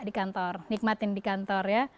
di kantor nikmatin di kantor ya